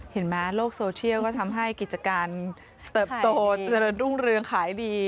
ในโลกโซเชียลก็ทำให้กิจการเติบโตเจริญรุ่งเรืองขายดี